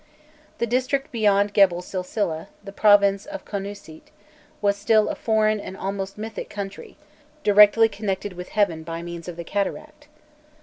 The district beyond Gebel Silsileh, the province of Konûsit, was still a foreign and almost mythic country, directly connected with heaven by means of the cataract.